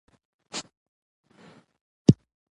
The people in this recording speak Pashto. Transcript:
مېلمه ته د یوه شي قدر وښیه.